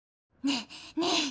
ねえねえ